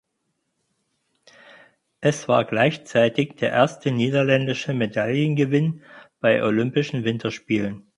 Es war gleichzeitig der erste niederländische Medaillengewinn bei Olympischen Winterspielen.